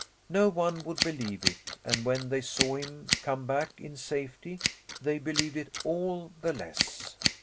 No one would believe it and when they saw him come back in safety they believed it all the less.